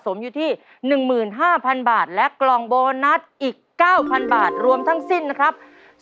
สมอยู่ที่๑๕๐๐๐บาทและกล่องโบนัสอีก๙๐๐บาทรวมทั้งสิ้นนะครับ